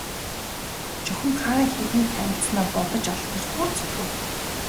Чухам хаа хэдийд танилцсанаа бодож олох гэж бүр цөхрөв.